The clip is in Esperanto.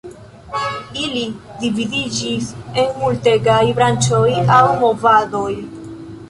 Ili dividiĝis en multegaj branĉoj aŭ movadoj.